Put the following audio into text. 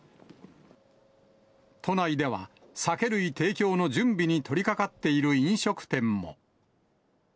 都内では、酒類提供の準備に取りかかっている飲食店も。